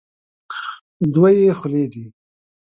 دوه یې خولې دي.